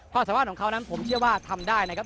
ความสามารถของเขานั้นผมเชื่อว่าทำได้นะครับ